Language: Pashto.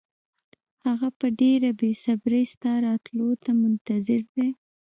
هغه په ډېره بې صبرۍ ستا راتلو ته منتظر دی.